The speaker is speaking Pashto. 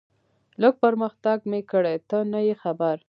لږ پرمختګ مې کړی، ته نه یې خبر.